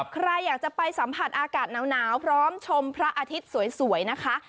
ใครอยากจะไปสัมผัสอากาศหนาวพร้อมชมพระอาทิตย์สวยนะคะ